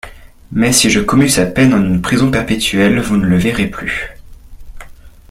Mais si je commue sa peine en une prison perpétuelle, vous ne le verrez plus.